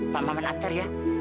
pak maman antar ya